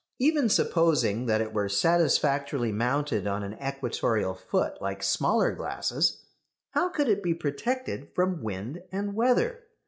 Even supposing that it were satisfactorily mounted on an "equatorial foot" like smaller glasses, how could it be protected from wind and weather?